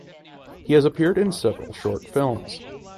He has also appeared in several short films.